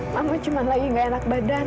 mama cuma lagi gak enak badan